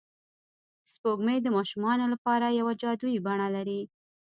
سپوږمۍ د ماشومانو لپاره یوه جادويي بڼه لري